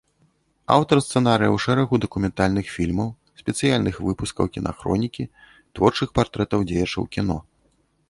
Аўтар сцэнарыяў шэрагу дакументальных фільмаў, спецыяльных выпускаў кінахронікі, творчых партрэтаў дзеячаў кіно.